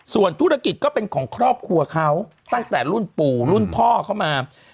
ส่วนธุรกิจก็เป็นของครอบครัวเขาตั้งแต่รุ่นปู่รุ่นพ่อเข้ามา